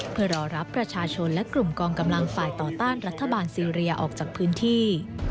เพื่อรอรับประชาชนและกลุ่มกองกำลังฝ่ายต่อต้านรัฐบาลซีเรียออกจากพื้นที่